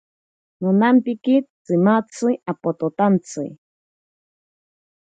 Nonampiki tsimatzi apototantsi.